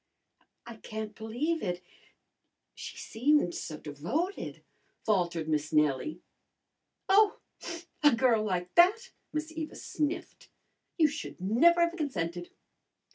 "I can't believe it. She seemed so devoted," faltered Miss Nellie. "Oh, a girl like that!" Miss Eva sniffed. "You should never have consented."